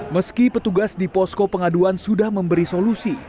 meski petugas di posko pengaduan sudah memberi solusi